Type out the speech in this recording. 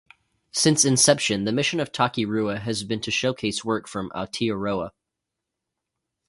Since inception the mission of Taki Rua has been to showcase work from Aotearoa.